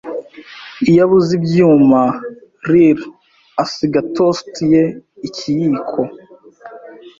Iyo abuze ibyuma, Lyle asiga toast ye ikiyiko.